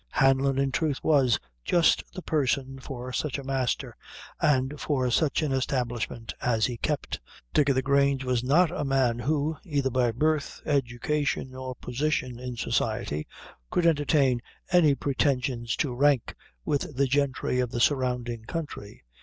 Hanlon, in truth, was just the person for such a master, and for such an establishment as he kept. Dick o' the Grange was not a man who, either by birth, education, or position in society, could entertain any pretensions to rank with the gentry of the surrounding country.